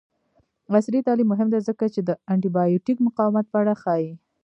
عصري تعلیم مهم دی ځکه چې د انټي بایوټیک مقاومت په اړه ښيي.